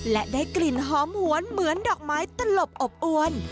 และได้กลิ่นหอมหวนเหมือนดอกไม้ตลบอบอวน